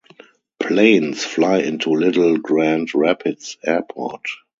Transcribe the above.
Planes fly into Little Grand Rapids Airport.